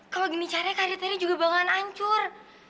kalau gini caranya karya teri juga bakalan hancur